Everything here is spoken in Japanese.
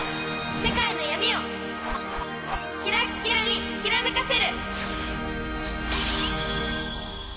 世界の闇をキラッキラにキラめかせる！